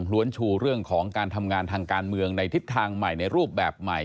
้วนชูเรื่องของการทำงานทางการเมืองในทิศทางใหม่ในรูปแบบใหม่